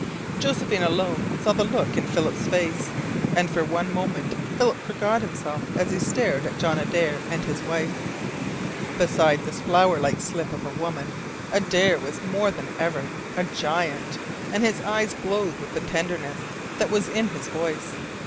Josephine alone saw the look in Philip's face. And for one moment Philip forgot himself as he stared at John Adare and his wife. Beside this flowerlike slip of a woman Adare was more than ever a giant, and his eyes glowed with the tenderness that was in his voice.